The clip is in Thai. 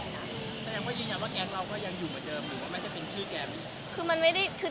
แสดงว่ายืนยันว่าแก๊งเราก็ยังอยู่เหมือนเดิมหรือว่าไม่ได้เป็นชื่อแก๊งนี้